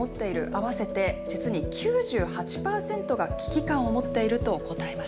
合わせて実に９８％が危機感を持っていると答えました。